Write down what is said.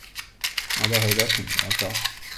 我就去左前面果個